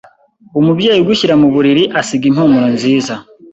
Umubyeyi ugushyira mu buriri asiga impumuro nziza